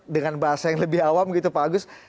dengan bahasa yang lebih awam gitu pak agus